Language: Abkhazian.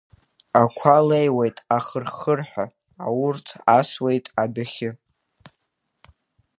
Ақәа леиуеит ахыр-хырҳәа, аурҭ асуеит адәахьы.